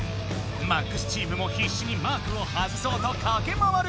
「ＭＡＸ」チームもひっしにマークを外そうとかけまわる！